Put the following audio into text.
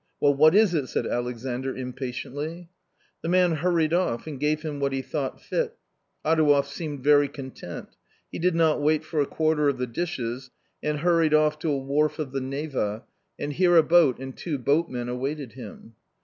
" Well, what is it ?" said Alexandr, impatiently. The man hurried off and gave him what he thought fit Adouev) seemed very content. He did not wait for a quarter of the dishes and hurried off to a wharf of the Neva, and here a boat and two boatmen awaited him.